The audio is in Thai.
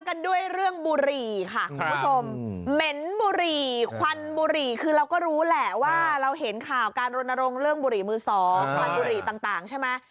กันด้วยเรื่องบุหรี่ค่ะคุณผู้ชมเหม็นบุหรี่ควันบุหรี่คือเราก็รู้แหละว่าเราเห็นข่าวการรณรงค์เรื่องบุหรี่มือสองควันบุหรี่ต่างใช่ไหม